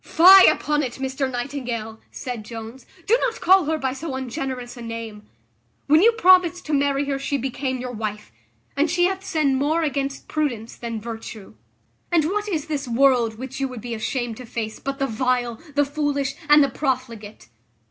"Fie upon it, Mr Nightingale!" said Jones, "do not call her by so ungenerous a name: when you promised to marry her she became your wife; and she hath sinned more against prudence than virtue. And what is this world which you would be ashamed to face but the vile, the foolish, and the profligate?